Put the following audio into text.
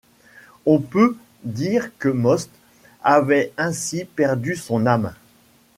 On peut dire que Most avait ainsi perdu son âme.